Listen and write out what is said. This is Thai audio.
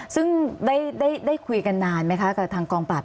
ซึ่งได้คุยกันนานไหมคะกับทางกองปราบ